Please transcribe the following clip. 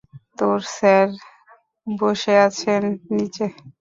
তোর স্যার বসে আছেন নিচে।